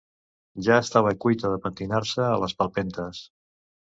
Ja estava cuita de pentinar-se a les palpentes.